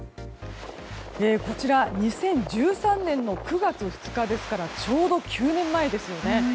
こちらは２０１３年９月２日ですからちょうど９年前ですよね。